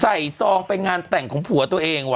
ซองไปงานแต่งของผัวตัวเองว่